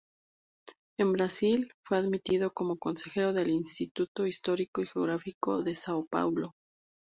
En Brasil, fue admitido como consejero del Instituto Histórico y Geográfico de São Paulo.